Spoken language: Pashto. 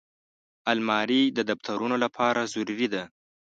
الماري د دفترونو لپاره ضروري ده